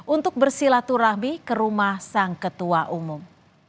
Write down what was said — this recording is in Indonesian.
untuk bersilaturahmi ke rumah sang ketua umum